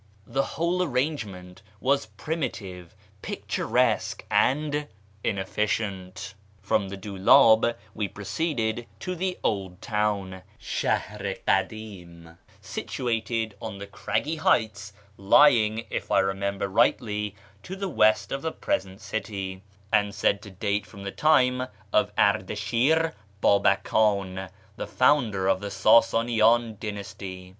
The whole arrangement was primitive, picturesque, and inefficient. From the dXiULb we proceeded to the " old town " {sliahr i kadim), situated on the craggy heights lying (if I remember rightly) to the west of the present city, and said to date from the time of Ardashir Babakan, the founder of the Sasanian dynasty.